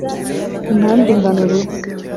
Impamvu ingana ururo.